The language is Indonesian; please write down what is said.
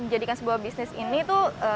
menjadikan sebuah bisnis ini tuh